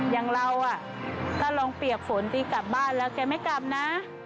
อย่างเราถ้าลองเปียกฝนตีกลับบ้านแล้วแกไม่กลับนะ